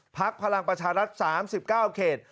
พลังประชารัฐ๓๙เขต